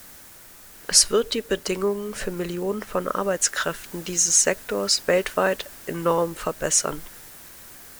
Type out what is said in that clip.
Es wird die Bedingungen für Millionen von Arbeitskräften dieses Sektors weltweit enorm verbessern.